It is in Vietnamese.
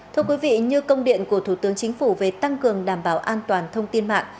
thưa quý vị như công điện của thủ tướng chính phủ về tăng cường đảm bảo an toàn thông tin mạng